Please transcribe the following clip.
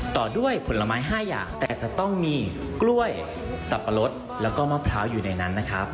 ต่อด้วยผลไม้๕อย่างแต่จะต้องมีกล้วยสับปะรดแล้วก็มะพร้าวอยู่ในนั้นนะครับ